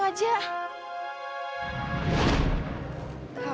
aku mau jalan